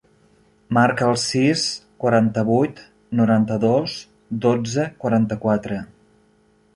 Marca el sis, quaranta-vuit, noranta-dos, dotze, quaranta-quatre.